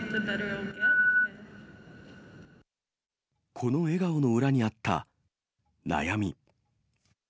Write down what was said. この笑顔の裏にあった悩み。